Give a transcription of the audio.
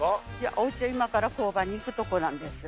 おうちは今から工場に行くとこなんです。